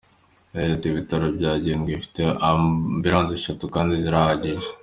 Yagize ati "Ibitaro bya Gihundwe bifite ambiranse eshatu, kandi zirahagije.